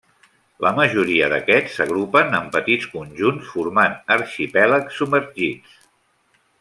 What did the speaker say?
La majoria d'aquests s'agrupen en petits conjunts, formant arxipèlags submergits.